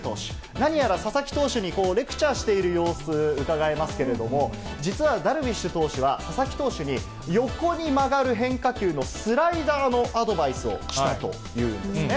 何やら佐々木投手にレクチャーしている様子、うかがえますけれども、実はダルビッシュ投手は、佐々木投手に、横に曲がる変化球のスライダーのアドバイスをしたというんですね。